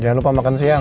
jangan lupa makan siang